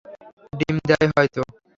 ডিম দেয় হয়তো!